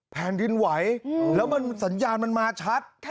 แผ่นดินไหวแล้วสัญญาณมันมาชัด